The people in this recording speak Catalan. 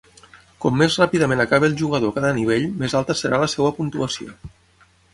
Com més ràpidament acabi el jugador cada nivell, més alta serà la seva puntuació.